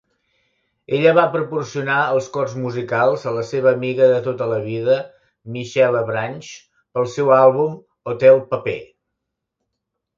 Ella va proporcionar els cors musicals a la seva amiga de tota la vida Michelle Branch pel seu àlbum "Hotel Paper".